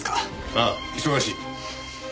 ああ忙しい。